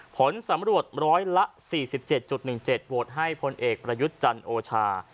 ผลสำรวจร้อยละ๔๗๑๗โหวตให้พลเอกประยุทธ์จันทร์โอชา